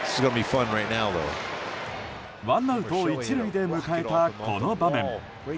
ワンアウト１塁で迎えたこの場面。